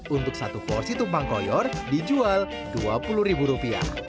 untuk satu porsi tumpang koyor dijual rp dua puluh